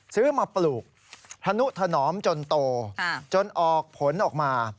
ซื้อมาปลูกธนุถนอมจนโตจนออกผลออกมา